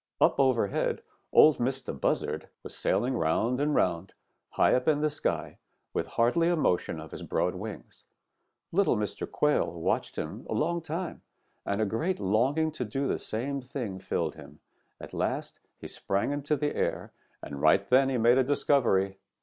"Up overhead Ol' Mistah Buzzard was sailing 'round and 'round, high up in the sky, with hardly a motion of his broad wings. Little Mr. Quail watched him a long time, and a great longing to do the same thing filled him. At last he sprang into the air, and right then he made a discovery.